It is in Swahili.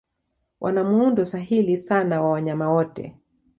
Wana muundo sahili sana wa wanyama wote.